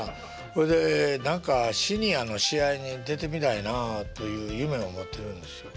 ほんで何かシニアの試合に出てみたいなあという夢を持ってるんですよ。